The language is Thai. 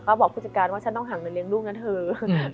ก็บอกผู้จัดการว่าฉันต้องหาเงินเลี้ยงลูกนะเถอะ